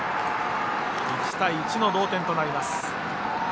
１対１の同点となります。